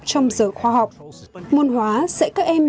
trong giờ khoa học môn hóa sẽ các em